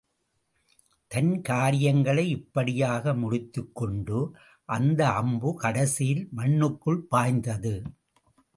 தன் காரியங்களை இப்படியாக முடித்துக்கொண்டு அந்த அம்பு கடைசியில் மண்ணுக்குள் பாய்ந்தது.